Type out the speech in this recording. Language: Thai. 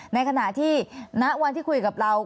ในขณะที่ณวันที่คุยกับเรา